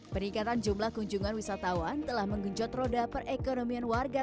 peningkatan jumlah kunjungan wisatawan telah menggenjot roda perekonomian warga